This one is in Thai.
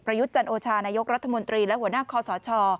ประยุทธ์จันทร์โอชานายกรัฐมนตรีและหัวหน้าคอสช